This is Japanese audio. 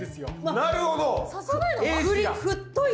なるほど。